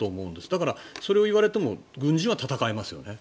だからそれを言われても軍人は戦いますよね。